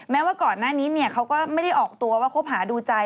ว่าก่อนหน้านี้เขาก็ไม่ได้ออกตัวว่าคบหาดูใจ